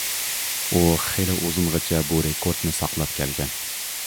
ئۇ خېلى ئۇزۇنغىچە بۇ رېكورتنى ساقلاپ كەلگەن.